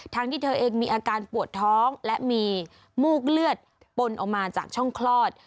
ที่เธอเองมีอาการปวดท้องและมีมูกเลือดปนออกมาจากช่องคลอด